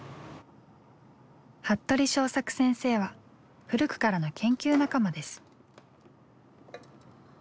服部正策先生は古くからの研究仲間です。